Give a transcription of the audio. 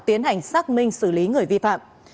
tiến hành xác minh xử lý người vi phạm